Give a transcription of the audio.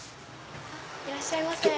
いらっしゃいませ。